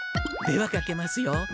ではかけますよ。